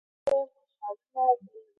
په برجونو کې يې مشعلونه بل ول.